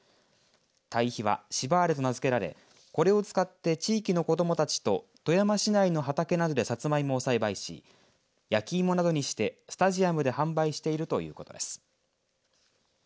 堆肥は芝レ！と名付けられこれを使って地域の子どもたちと富山市内の畑などでさつまいも栽培し焼き芋などにしてスタジアムで販売しているということです。